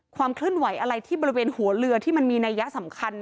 ความเคลื่อนไหวอะไรที่บริเวณหัวเรือที่มันมีนัยยะสำคัญ